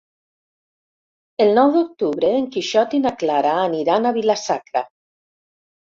El nou d'octubre en Quixot i na Clara aniran a Vila-sacra.